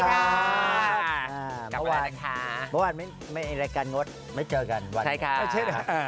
เมื่อวานไม่มีรายการงดไม่เจอกันวันนี้